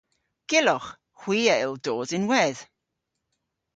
Gyllowgh. Hwi a yll dos ynwedh.